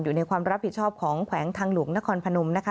อยู่ในความรับผิดชอบของแขวงทางหลวงนครพนมนะคะ